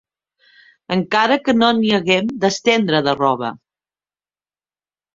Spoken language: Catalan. Encara que no n'hi haguem d'estendre de roba